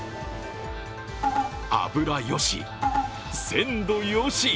脂よし、鮮度よし。